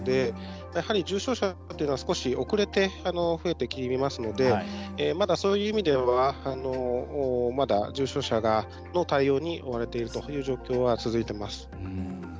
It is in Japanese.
やはり重症者というのは少し遅れて増えてきますのでそういう意味ではまだ、重症者の対応に追われているという状況が続いてます。